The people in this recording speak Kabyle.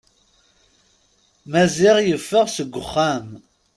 Maziɣ yeffeɣ seg uxxam.